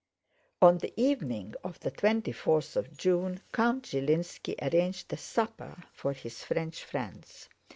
On the evening of the twenty fourth of June, Count Zhilínski arranged a supper for his French friends.